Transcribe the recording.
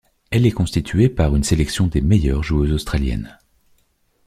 Elle est constituée par une sélection des meilleures joueuses australiennes.